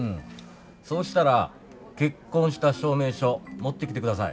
そうしたら結婚した証明書持ってきてください。